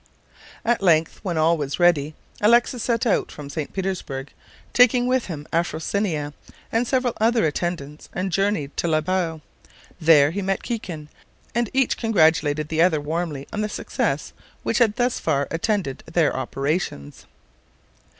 At length, when all was ready, Alexis set out from St. Petersburg, taking with him Afrosinia and several other attendants, and journeyed to Libau. There he met Kikin, and each congratulated the other warmly on the success which had thus far attended their operations.